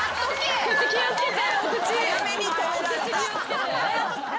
お口気を付けて。